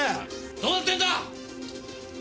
どうなってんだ！？